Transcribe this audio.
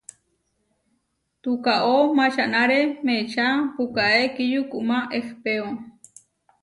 Tukaó mačanáre meečá pukaé kiyukumá ehpéo.